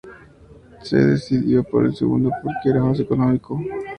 Se decidió por el segundo porque era más económico.